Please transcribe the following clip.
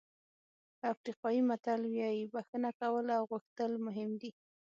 افریقایي متل وایي بښنه کول او غوښتل مهم دي.